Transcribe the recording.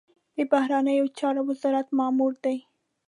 د بهرنیو چارو وزارت مامور دی.